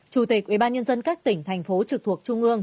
một mươi một chủ tịch ubnd các tỉnh thành phố trực thuộc trung ương